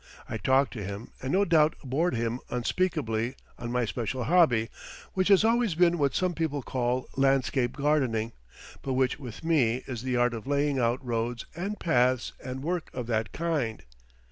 I talked to him, and no doubt bored him unspeakably, on my special hobby, which has always been what some people call landscape gardening, but which with me is the art of laying out roads and paths and work of that kind.